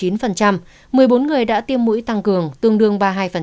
một mươi bốn người đã tiêm mũi tăng cường tương đương ba mươi hai